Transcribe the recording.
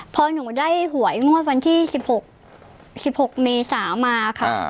พอหนูได้หวยงวดวันที่๑๖๑๖เมษามาค่ะ